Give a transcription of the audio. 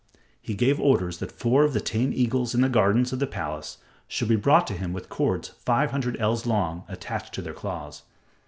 He gave orders that four of the tame eagles in the gardens of the palace should be brought to him with cords five hundred ells long attached to their claws.